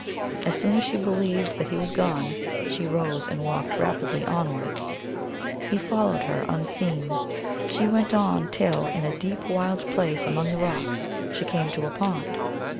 As soon as she believed that he was gone, she rose and walked rapidly onwards. He followed her, un seen. She went on, till, in a deep, wild place among the rocks, she came to a pond.